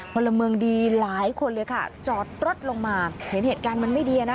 พลเมืองดีหลายคนเลยค่ะจอดรถลงมาเห็นเหตุการณ์มันไม่ดีนะ